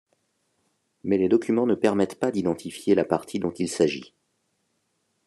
Mais les documents ne permettent pas d'identifier la partie dont il s'agit.